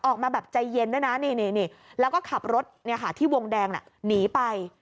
ออกมาแบบใจเย็นด้วยนะนี่แล้วก็ขับรถที่วงแดงหนีไป